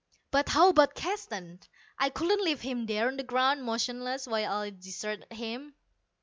But how about Keston? I couldn't leave him there on the ground, motionless, while I deserted him.